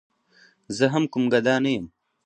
زه هم کوم ګدا نه یم.